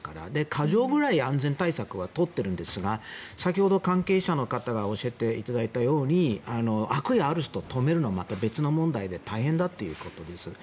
過剰ぐらい安全対策は取ってるんですが先ほど関係者の方に教えていただいたように悪意ある人を止めるのはまた別の問題で大変だということです。